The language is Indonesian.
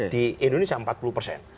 di indonesia empat puluh persen